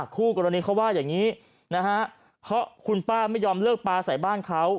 คู่กรณีเขาว่าอย่างนี้คุณป้าไม่ยอมเลือกปลาใส่บ้านเขา